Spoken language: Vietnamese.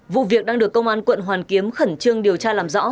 vụ việc đang được công an quận hoàn kiếm khẩn trương điều tra làm rõ